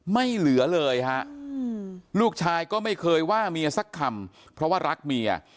ไม่เหลือเลยฮะลูกชายก็ไม่เคยว่าเมียสักคำเพราะว่ารักเมีย